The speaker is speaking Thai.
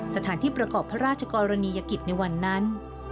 สถานที่ประกอบพระราชกรณียกิจในวันนั้น